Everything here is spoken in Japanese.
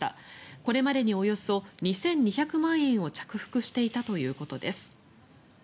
これまでにおよそ２２００万円を着服していたということです。